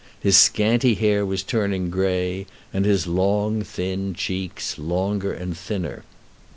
His scanty hair was turning grey, and his long thin cheeks longer and thinner.